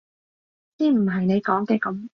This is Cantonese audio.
先唔係你講嘅噉！